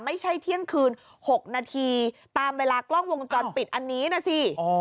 ไม่ใช่เที่ยงคืน๖นาทีตามเวลากล้องวงจรปิดอันนี้นะสิ